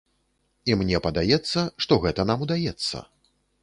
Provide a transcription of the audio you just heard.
І мне падаецца, што гэта нам удаецца.